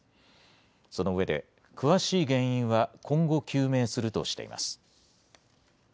その上で、詳しい原因は今後、究明するとしています。